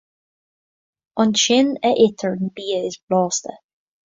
Ansin a itear an bia is blasta.